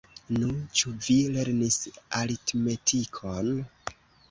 Nu, ĉu vi lernis aritmetikon?